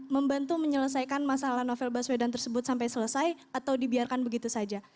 membantu menyelesaikan masalah novel baswedan tersebut sampai selesai atau dibiarkan begitu saja